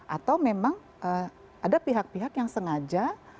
atau memang ada pihak pihak yang sengaja